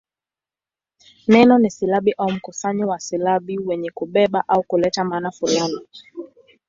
Neno ni silabi au mkusanyo wa silabi wenye kubeba au kuleta maana fulani.